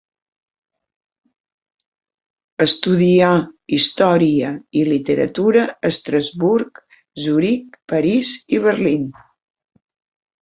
Estudià història i literatura a Estrasburg, Zuric, París i Berlín.